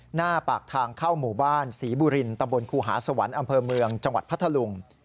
หน้าปากทางเข้าหมู่บ้านศรีบุรินตะบนครูหาสวรรค์อำเภอเมืองจังหวัดพัทธลุง